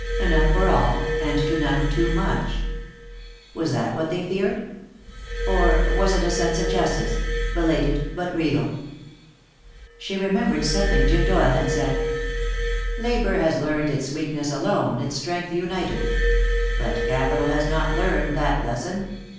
Enough for all, and to none too much. Was that what they feared? Or was it a sense of justice, belated but real? She remembered something Jim Doyle had said: "Labor has learned its weakness alone, its strength united. But capital has not learned that lesson.